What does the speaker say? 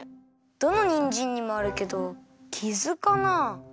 どのにんじんにもあるけどキズかなあ？